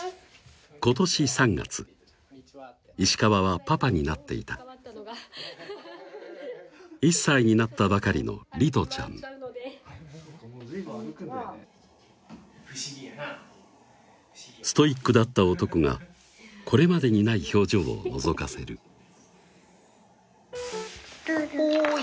今年３月石川はパパになっていた１歳になったばかりの不思議やなストイックだった男がこれまでにない表情をのぞかせるおい！